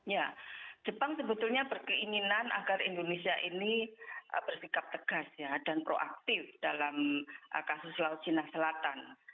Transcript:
ya jepang sebetulnya berkeinginan agar indonesia ini bersikap tegas dan proaktif dalam kasus laut cina selatan